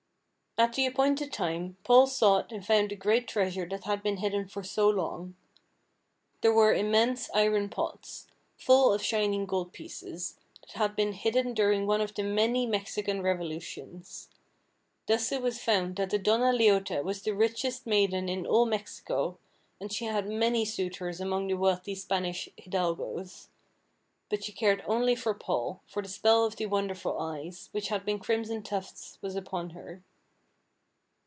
At the appointed time, Paul sought and found the great treasure that had been hidden for so long. There were immense iron pots, full of shining gold pieces, that had been hidden during one of the many Mexican revolutions. Thus it was found that the Donna Leota was the richest maiden in all Mexico, and she had many suitors among the wealthy Spanish hidalgoes; but she cared only for Paul, for the spell of the wonderful eyes, which had been Crimson Tuft's, was upon her.